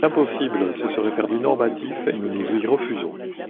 C’est impossible : ce serait faire du normatif, et nous nous y refusons.